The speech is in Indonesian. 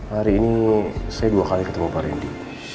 hari ini saya dua kali ketemu pak randy